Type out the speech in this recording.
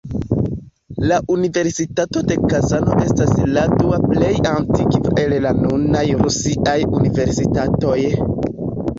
La Universitato de Kazano estas la dua plej antikva el la nunaj rusiaj universitatoj.